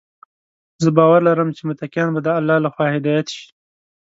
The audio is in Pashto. زه باور لرم چې متقیان به د الله لخوا هدايت شي.